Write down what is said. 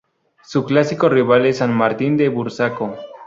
Su clásico rival es San Martín de Burzaco.